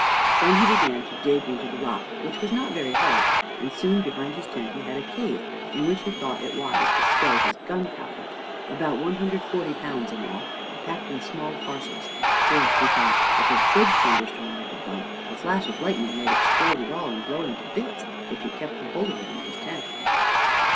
Then he began to dig into the rock, which was not very hard, and soon behind his tent he had a cave in which he thought it wise to stow his gunpowder, about one hundred and forty pounds in all, packed in small parcels; for, he thought, if a big thunderstorm were to come, a flash of lightning might explode it all, and blow him to bits, if he kept the whole of it in his tent.